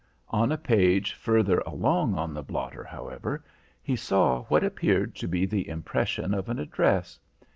On a page further along on the blotter, however, he saw what appeared to be the impression of an address.